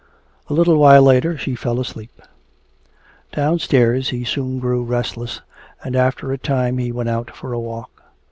A little while later she fell asleep. Downstairs he soon grew restless and after a time he went out for a walk.